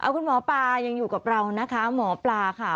คุณหมอปลายังอยู่กับเรานะคะหมอปลาค่ะ